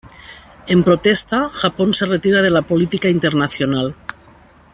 En protesta, Japón se retira de la política internacional.